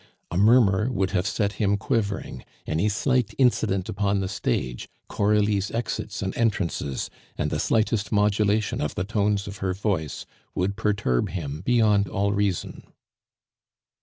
A murmur would have set him quivering; any slight incident upon the stage, Coralie's exits and entrances, the slightest modulation of the tones of her voice, would perturb him beyond all reason.